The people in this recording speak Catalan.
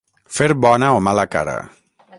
Fer bona o mala cara.